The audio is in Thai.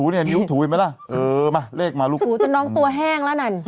ดูมาเลขมาลูกโหจนน้องตัวแห้งแล้วนั่น